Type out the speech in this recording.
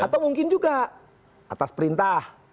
atau mungkin juga atas perintah